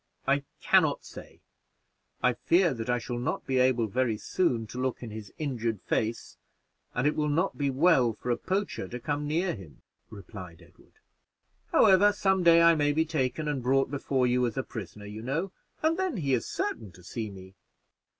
"I can not say; I fear that I shall not be able very soon to look in his injured face, and it will not be well for a poacher to come near him," replied Edward: "however, some day I may be taken and brought before you as a prisoner, you know, and then he is certain to see me."